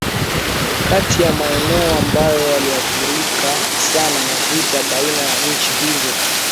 kati ya maeneo ambayo yaliathirika sana na vita baina ya nchi hizo